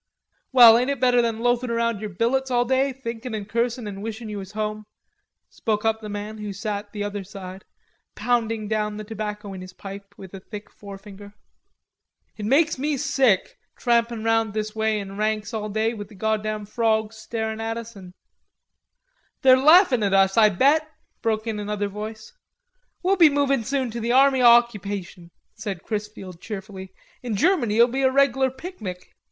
"Well, ain't it better than loafin' around yer billets all day, thinkin' an' cursin' an' wishin' ye was home?" spoke up the man who sat the other side, pounding down the tobacco in his pipe with a thick forefinger. "It makes me sick, trampin' round this way in ranks all day with the goddam frawgs starin' at us an'..." "They're laughin' at us, I bet," broke in another voice. "We'll be movin' soon to the Army o' Occupation," said Chrisfield cheerfully. "In Germany it'll be a reglar picnic."